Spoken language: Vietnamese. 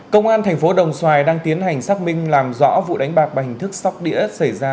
công an thành phố đồng xoài đang tiến hành xác minh làm rõ vụ đánh bạc bằng hình thức sóc đĩa xảy ra